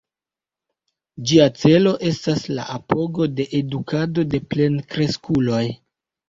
Ĝia celo estas la apogo de edukado de plenkreskuloj.